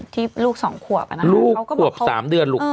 ที่ลูก๒ขวบอะนะครับเขาก็บอกลูกขวบ๓เดือนลูก